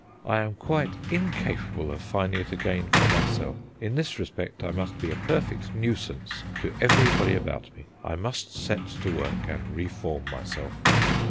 I am quite incapable of finding it again for myself. In this respect I must be a perfect nuisance to everybody about me. I must set to work and reform myself."